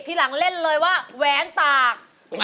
ทีหลังเล่นเลยว่าแหวนตาก